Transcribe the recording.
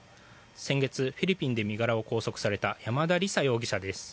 先月、フィリピンで身柄を拘束された山田李沙容疑者です。